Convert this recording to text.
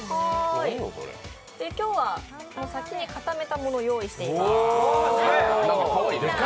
今日は先に固めたものを用意しています。